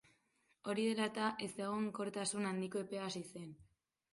Hori dela eta, ezegonkortasun handiko epea hasi zen.